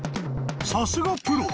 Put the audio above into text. ［さすがプロ！